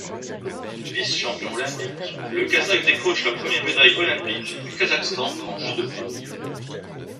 Vice-champion olympique, le Kazakh décroche la première médaille olympique du Kazakhstan en judo.